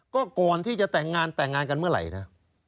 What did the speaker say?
ก็ก่อนที่จะแต่งงานแต่งงานกันเมื่อไหร่นะ